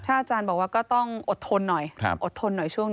อาจารย์บอกว่าก็ต้องอดทนหน่อย